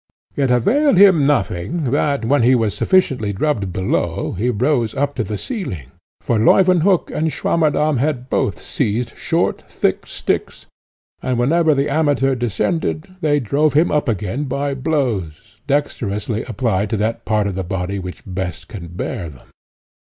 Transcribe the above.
It availed him nothing that, when he was sufficiently drubbed below, he rose up to the cieling; for Leuwenhock and Swammerdamm had both seized short thick sticks, and whenever the Amateur descended, they drove him up again by blows, dexterously applied to that part of the body which best can bear them.